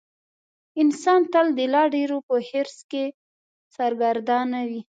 انسان تل د لا ډېرو په حرص کې سرګردانه وي.